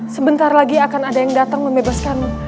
sebentar lagi akan ada yang datang membebaskanmu